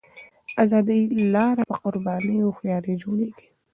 د ازادۍ لاره په قربانۍ او هوښیارۍ جوړېږي.